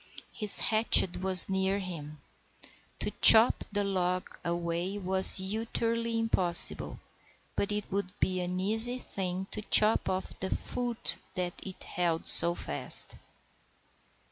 His hatchet was near him. To chop the log away was utterly impossible, but it would be an easy thing to chop off the foot that it held so fast.